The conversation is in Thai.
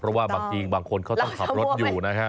เพราะว่าบางทีบางคนเขาต้องขับรถอยู่นะฮะ